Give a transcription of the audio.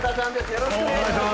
よろしくお願いします。